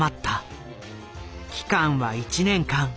期間は１年間。